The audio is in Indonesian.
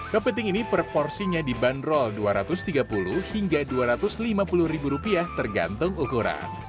kepiting ini per porsinya dibanderol dua ratus tiga puluh hingga rp dua ratus lima puluh ribu rupiah tergantung ukuran